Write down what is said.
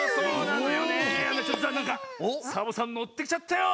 なんかサボさんのってきちゃったよ！